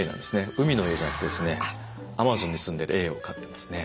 海のエイじゃなくてですねアマゾンに住んでるエイを飼ってますね。